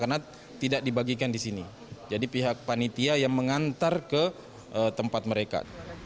karena tidak dibagikan di sini jadi pihak panitia yang mengantar ke tempat mereka